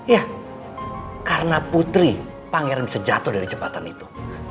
ya karena putri pangeran bisa jatuh dari jembatan itu